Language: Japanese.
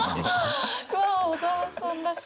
小沢さんらしい。